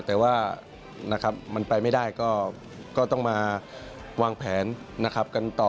แต่ว่ามันไปไม่ได้ก็ต้องมาวางแผนกันต่อ